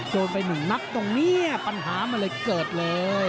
โดนไปหนึ่งนัดตรงนี้ปัญหามันเลยเกิดเลย